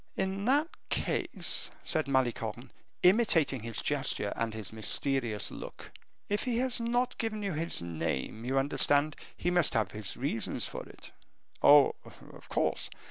"In that case," said Malicorne, imitating his gesture and his mysterious look, "if he has not given you his name, you understand, he must have his reasons for it." "Oh, of course."